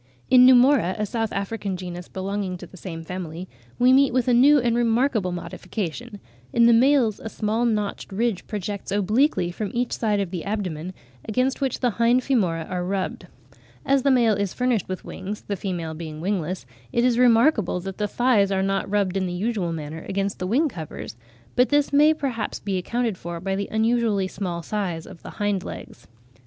In Pneumora (Fig. 15), a S. African genus belonging to the same family, we meet with a new and remarkable modification; in the males a small notched ridge projects obliquely from each side of the abdomen, against which the hind femora are rubbed. (42. Westwood, 'Modern Classification,' vol i. p. 462.) As the male is furnished with wings (the female being wingless), it is remarkable that the thighs are not rubbed in the usual manner against the wing covers; but this may perhaps be accounted for by the unusually small size of the hind legs.